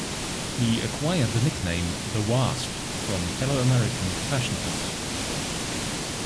He acquired the nickname "the wasp" from fellow American professionals.